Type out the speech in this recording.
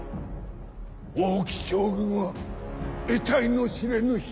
王騎将軍は得体の知れぬ人。